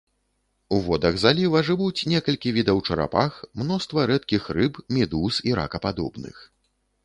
У водах заліва жывуць некалькі відаў чарапах, мноства рэдкіх рыб, медуз і ракападобных.